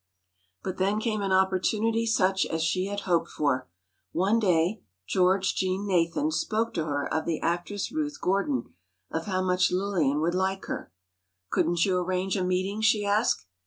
But then came an opportunity such as she had hoped for: One day, George Jean Nathan spoke to her of the actress Ruth Gordon, of how much Lillian would like her. "Couldn't you arrange a meeting?" she asked.